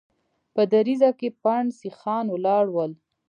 په دريڅه کې پنډ سيخان ولاړ ول.